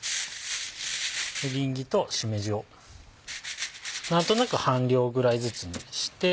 エリンギとしめじを何となく半量ぐらいずつにして。